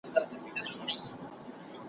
تدبیر وتړي بارونه ځي د وړاندي `